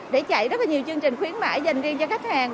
để chạy rất nhiều chương trình khuyến mãi dành riêng cho khách hàng